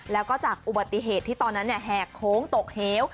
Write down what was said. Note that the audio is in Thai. แล้วก็จากอุบัติเหตุที่ตอนนั้นแหกโค้งตกเหว